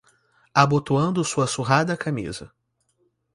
Abotoando sua surrada camisa